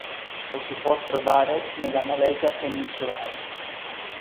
Lo si può trovare nella Malesia peninsulare.